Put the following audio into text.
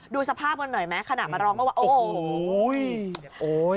ดูสภาพกันหน่อยมั้ยขนาดมาร้องว่าโอ้โห